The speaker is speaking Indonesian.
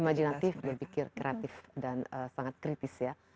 imajinatif berpikir kreatif dan sangat kritis ya